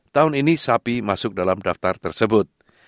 tahun ini sapi masuk dalam daftar tersebut